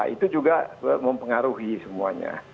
itu juga mempengaruhi semuanya